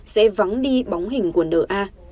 sẽ vắng đi bóng hình của n a